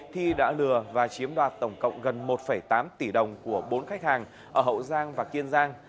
thi đã lừa và chiếm đoạt tổng cộng gần một tám tỷ đồng của bốn khách hàng ở hậu giang và kiên giang